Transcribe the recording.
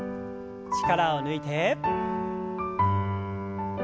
力を抜いて。